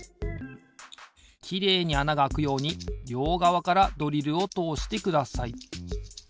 きれいにあながあくようにりょうがわからドリルをとおしてください。